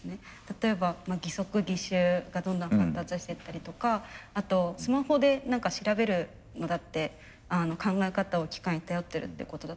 例えば義足義手がどんどん発達してったりとかあとスマホで何か調べるのだって考え方を機械に頼ってるってことだと思うんですね。